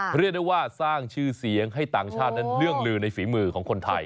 เรียกได้ว่าสร้างชื่อเสียงให้ต่างชาตินั้นเรื่องลือในฝีมือของคนไทย